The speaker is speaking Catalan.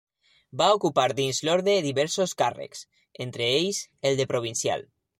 Va ocupar dins l'orde diversos càrrecs, entre ells el de Provincial.